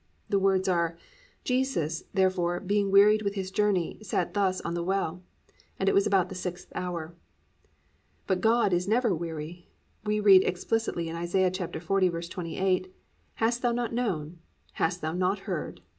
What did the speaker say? The words are +"Jesus, therefore, being wearied with his journey, sat thus on the well: and it was about the sixth hour."+ But God is never weary. We read explicitly in Isa. 40:28 +"Hast thou not known? Hast thou not heard?